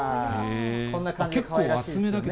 こんな感じでかわいらしいですよね。